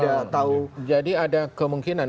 tidak tahu jadi ada kemungkinan